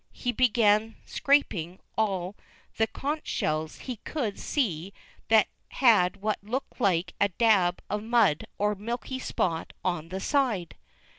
He began scraping in all the conch shells he could see that had what looked like a dab of mud or a milky spot on the side.